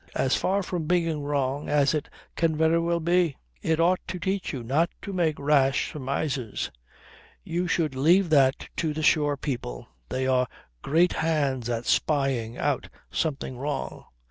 As far from being wrong as it can very well be. It ought to teach you not to make rash surmises. You should leave that to the shore people. They are great hands at spying out something wrong.